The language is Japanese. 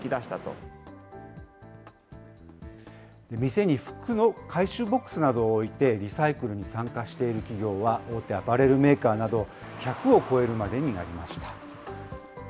店に服の回収ボックスなどを置いて、リサイクルに参加している企業は大手アパレルメーカーなど、１００を超えるまでになりました。